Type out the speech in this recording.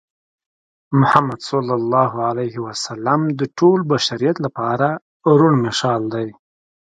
محمد ص د ټول بشریت لپاره روڼ مشال دی.